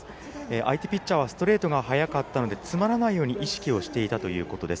相手ピッチャーはストレートが速かったので詰まらないように意識をしていたということです。